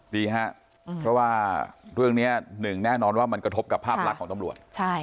ดีครับเพราะว่าเรื่องนี้หนึ่งแน่นอนว่ามันกระทบกับภาพลักษณ์ของตำรวจ